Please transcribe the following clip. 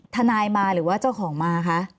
ทนายมาหรือว่าเจ้าของมาคะ